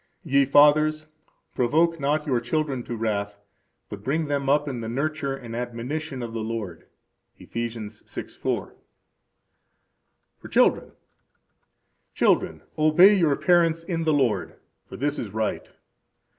Ye fathers, provoke not your children to wrath, but bring them up in the nurture and admonition of the Lord. Eph. 6:4. For Children. Children, obey your parents in the Lord; for this is right.